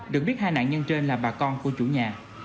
được biết hai nạn nhân trên là bà con của chủ nhà